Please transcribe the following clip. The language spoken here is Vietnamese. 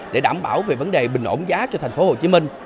để đảm bảo về vấn đề bình ổn giá cho thành phố hồ chí minh